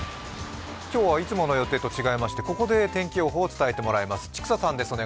今日はいつもの予定と違いまして、ここで天気予報を伝えてもらいます。